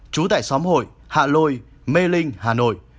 trú tại xóm hội hạ lôi mê linh hà nội